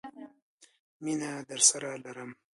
مینه درسره لرم